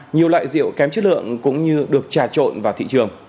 nhiều loại rượu kém chất lượng cũng như được trà trộn vào thị trường